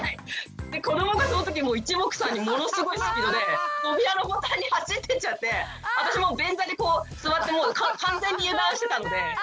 子どもがそのときいちもくさんにものすごいスピードで扉のボタンに走ってっちゃって私もう便座に座って完全に油断してたので。